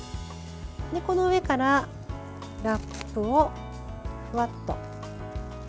この上からラップをふわっと。